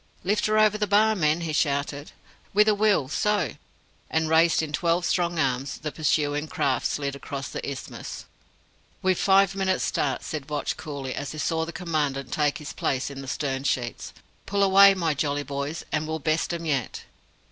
"Lift her over the Bar, men!" he shouted. "With a will So!" And, raised in twelve strong arms, the pursuing craft slid across the isthmus. "We've five minutes' start," said Vetch coolly, as he saw the Commandant take his place in the stern sheets. "Pull away, my jolly boys, and we'll best 'em yet."